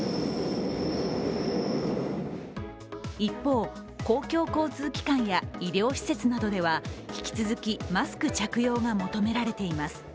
一方、公共交通機関や医療施設などでは引き続きマスク着用が求められています。